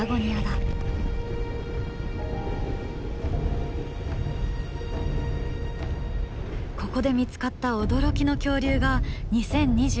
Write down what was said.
ここで見つかった驚きの恐竜が２０２２年に報告された。